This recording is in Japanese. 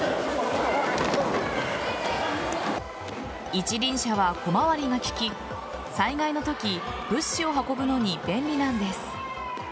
一輪車は小回りが利き災害のとき物資を運ぶのに便利なんです。